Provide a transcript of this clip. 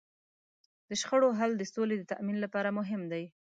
د شخړو حل د سولې د تامین لپاره مهم دی.